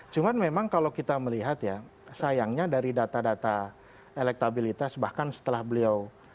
cuman memang kalau kita melihat ya sayangnya dari data data elektabilitas bahkan setelah beliau